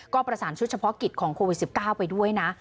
ก็ประสานชุดเฉพาะกิจของโควิด๑๙ไปด้วยนะ